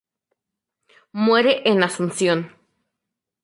Muere en Asunción.